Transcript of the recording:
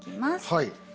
はい。